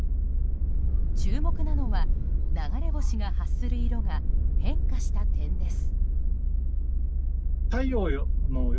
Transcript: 注目なのは流れ星が発する色が変化した点です。